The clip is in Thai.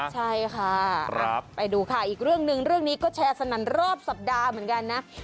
ใช่ค่ะไปดูค่ะอีกเรื่องหนึ่งเรื่องนี้ก็แชร์สนั่นรอบสัปดาห์เหมือนกันนะ